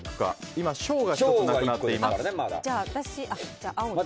今、小が１つなくなっています。